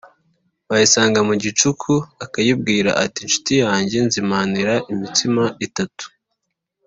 wayisanga mu gicuku, akayibwira ati: Nshuti yanjye, nzimanira imitsima itatu,